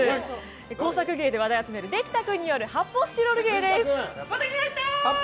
工作芸で話題のできたくんによる発泡スチロール芸です。